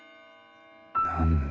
何だ？